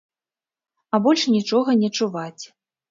А больш нічога не чуваць.